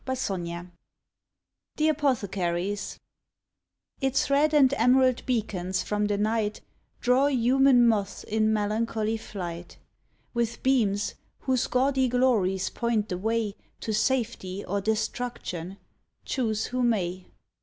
47 THE APOTHECARY'S Its red and emerald beacons from the night Draw human moths in melancholy flight, With beams whose gaudy glories point the way To safety or destruction — choose who may!